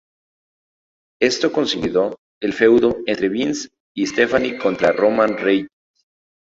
Esto consolidó el feudo entre Vince y Stephanie contra Roman Reigns.